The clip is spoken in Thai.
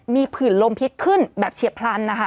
มีผื่นลมพิษขึ้นแบบเฉียบพลันนะคะ